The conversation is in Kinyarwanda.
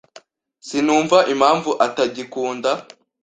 Sinumva impamvu atagikunda.